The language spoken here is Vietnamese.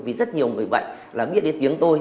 vì rất nhiều người bệnh là biết đến tiếng tôi